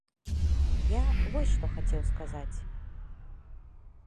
Я вось што хацеў сказаць.